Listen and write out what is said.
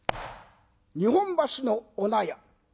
日本橋のお納屋。